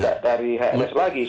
tidak dari hms lagi